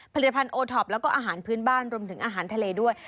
ผลิตภัณฑ์โอท็อปแล้วก็อาหารพื้นบ้านรวมถึงอาหารทะเลด้วย